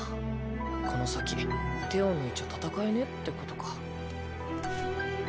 この先手を抜いちゃ戦えねぇってことか。